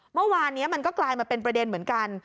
เมื่อวานนี้มันก็กลายมาเป็นประเด็นเหมือนกัน